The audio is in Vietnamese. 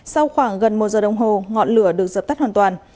sau khoảng gần một giờ đồng hồ ngọn lửa được dập tắt hoàn toàn